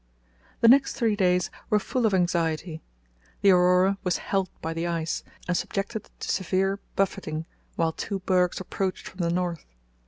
The next three days were full of anxiety. The Aurora was held by the ice, and subjected to severe buffeting, while two bergs approached from the north.